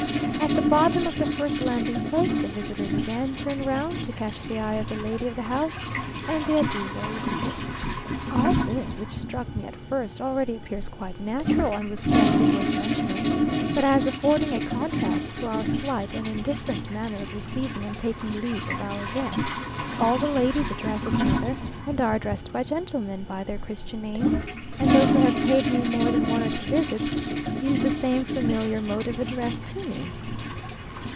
At the bottom of the first landing place the visitors again turn round to catch the eye of the lady of the house, and the adieus are repeated. All this, which struck me at first, already appears quite natural, and would scarce be worth mentioning, but as affording a contrast to our slight and indifferent manner of receiving and taking leave of our guests. All the ladies address each other, and are addressed by gentlemen, by their Christian names, and those who have paid me more than one or two visits, use the same familiar mode of address to me.